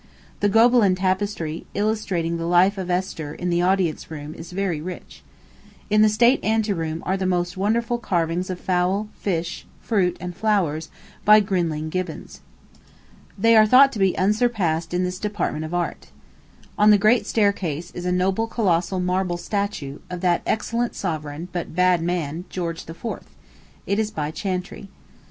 The Gobelin tapestry, illustrating the life of Esther, in the Audience Room, is very rich. In the State Ante Room are the most wonderful carvings of fowl, fish, fruit, and flowers, by Grinling Gibbons. They are thought to be unsurpassed in this department of art. On the Great Staircase is a noble colossal marble statue, of that excellent sovereign, but bad man, George IV. It is by Chantrey.